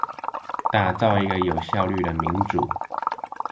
打造一個有效率的民主